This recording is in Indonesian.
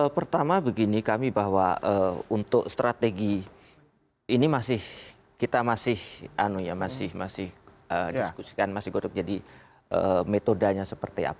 pertama begini kami bahwa untuk strategi ini masih kita masih anu ya masih masih diskusikan masih gotok jadi metodanya seperti apa